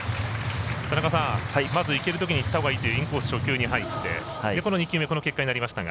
田中さん、いけるときにいったほうがいいというインコース初球に入って２球目、この結果になりましたが。